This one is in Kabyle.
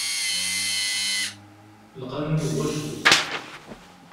Lqanun n wacu?